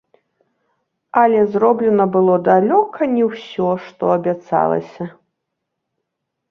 Але зроблена было далёка не ўсё, што абяцалася.